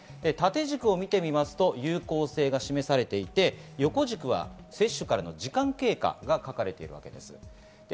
縦軸を見てみますと有効性が示されていて、横軸は接種からの時間経過が書かれています。